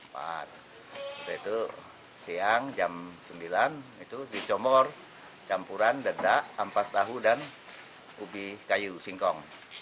pada itu siang jam sembilan itu dicomor campuran dedak ampas tahu dan ubi kayu singkong